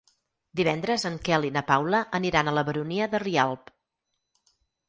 Divendres en Quel i na Paula aniran a la Baronia de Rialb.